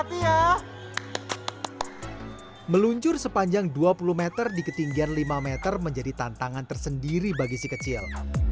hati hati ya meluncur sepanjang dua puluh m di ketinggian lima m menjadi tantangan tersendiri bagi si kecil